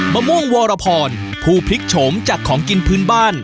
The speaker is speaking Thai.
มะม่วงวรพรผู้พลิกโฉมจากของกินพื้นบ้าน